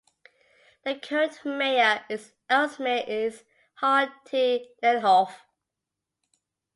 The current mayor of Elsmere is Marty Lenhof.